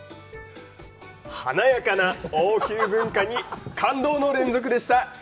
華やかな王宮文化に感動の連続でした！